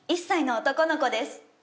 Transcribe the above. １歳の男の子です。